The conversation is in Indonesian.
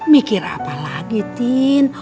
mikir apa lagi tin